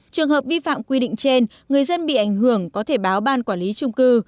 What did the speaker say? trường hợp vi phạm quy định trên người dân bị ảnh hưởng có thể báo ban quản lý trung cư